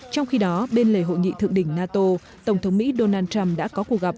trong khi đó bên lề hội nghị thượng đỉnh nato tổng thống mỹ donald trump đã có cuộc gặp